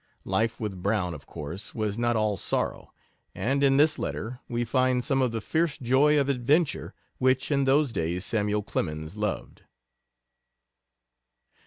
Life with Brown, of course, was not all sorrow, and in this letter we find some of the fierce joy of adventure which in those days Samuel Clemens loved.